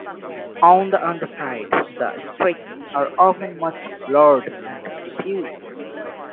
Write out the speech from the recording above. On the underside the streaks are often much blurred and diffuse.